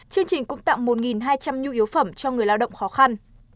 chương trình cũng tặng một hai trăm linh nhu yếu phẩm cho người lao động khó khăn